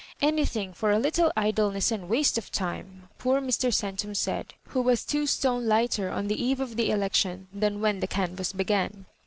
Anything for a little idleness and waste of time, poor Mr. Centum said, who was two stone lighter on the eve of the election than when the can vass began.